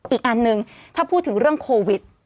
อีกอันหนึ่งถ้าพูดถึงเรื่องโควิด